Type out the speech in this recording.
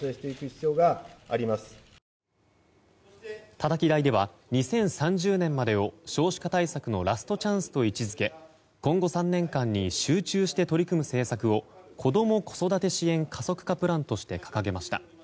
たたき台では２０３０年までを少子化対策のラストチャンスと位置づけ今後３年間に集中して取り組む政策をこども・子育て支援加速化プランとして掲げました。